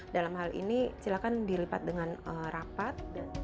dalam hal ini silakan dilipat dengan rapat